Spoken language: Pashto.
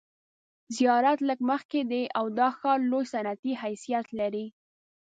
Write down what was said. زیارت لږ مخکې دی او دا ښار لوی صنعتي حیثیت لري.